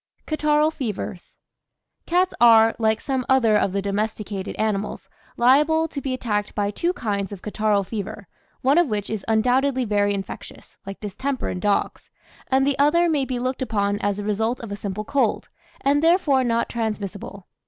CATARRHAL FEVERS. "Cats are, like some other of the domesticated animals, liable to be attacked by two kinds of Catarrhal Fever, one of which is undoubtedly very infectious like distemper in dogs and the other may be looked upon as the result of a simple cold, and therefore not transmissible.